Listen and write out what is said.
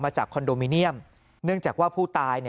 จากคอนโดมิเนียมเนื่องจากว่าผู้ตาย